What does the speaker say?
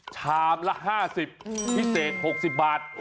ชามละ๕๐พิเศษ๖๐บาท